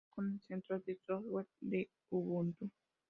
Se puede comparar con el Centro de software de Ubuntu.